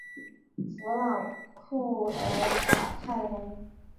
弗朗库尔卡泰隆。